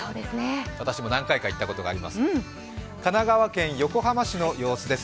私も何回か行ったことがあります。